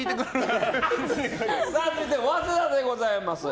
続いて、早稲田でございます。